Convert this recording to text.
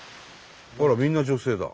あらみんな女性だ。